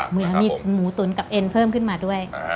เหมือนมีหมูตุ๋นกับเอ็นเพิ่มขึ้นมาด้วย